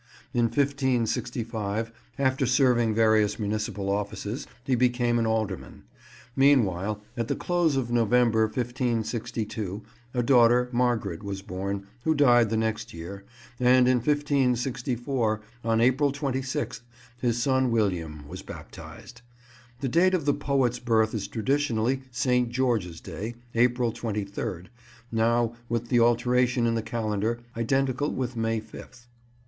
In 1565, after serving various municipal offices, he became an alderman. Meanwhile, at the close of November 1562, a daughter, Margaret, was born, who died the next year; and in 1564, on April 26th, his son William was baptized. The date of the poet's birth is traditionally St. George's Day, April 23rd; now, with the alteration in the calendar, identical with May 5th.